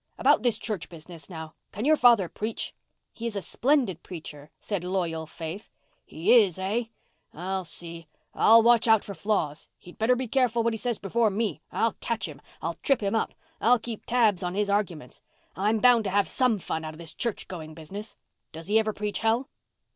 About this church business, now—can your father preach?" "He is a splendid preacher," said loyal Faith. "He is, hey? I'll see—I'll watch out for flaws. He'd better be careful what he says before me. I'll catch him—I'll trip him up—I'll keep tabs on his arguments. I'm bound to have some fun out of this church going business. Does he ever preach hell?"